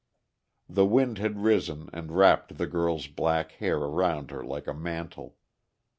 The wind had risen, and wrapped the girl's black hair around her like a mantle.